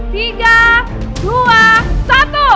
tiga dua satu